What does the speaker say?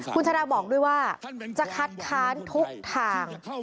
คุณชาดาบอกด้วยว่าจะคัดค้านทุกทาง